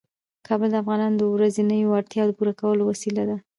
کابل د افغانانو د ورځنیو اړتیاوو د پوره کولو یوه وسیله ده.